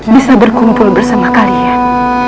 bisa berkumpul bersama kalian